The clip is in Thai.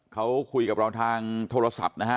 เขาคุยกับเราทางโทรศัพท์นะฮะ